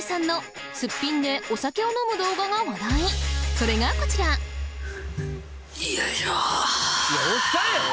それがこちらよいしょ。